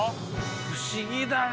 不思議だね。